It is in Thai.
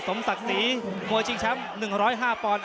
สมศักดิ์สีมัวชิงช้ำ๑๐๕ปอนด์